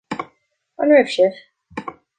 An raibh sibh